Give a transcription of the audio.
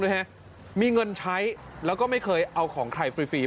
นะฮะมีเงินใช้แล้วก็ไม่เคยเอาของใครฟรี